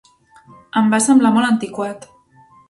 Em va semblar molt antiquat.